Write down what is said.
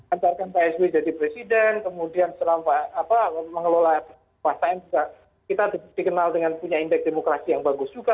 ancar kan psb jadi presiden kemudian setelah mengelola pasaem kita dikenal dengan punya indeks demokrasi yang bagus juga